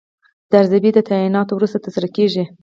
دا ارزیابي د تعیناتو وروسته ترسره کیږي.